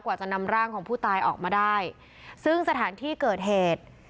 จะนำร่างของผู้ตายออกมาได้ซึ่งสถานที่เกิดเหตุ